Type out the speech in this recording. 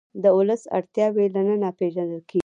د ولس اړتیاوې له ننه پېژندل کېږي.